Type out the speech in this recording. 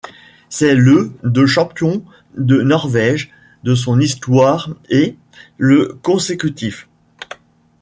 C'est le de champion de Norvège de son histoire et le consécutif.